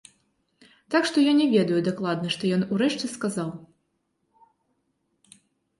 Так што я не ведаю дакладна, што ён у рэшце сказаў.